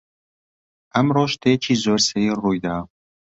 ئەمڕۆ شتێکی زۆر سەیر ڕووی دا.